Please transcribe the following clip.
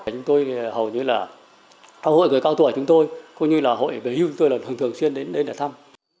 chúng tôi hầu như là hội người cao tuổi chúng tôi cũng như là hội về hưu chúng tôi là thường xuyên đến để thăm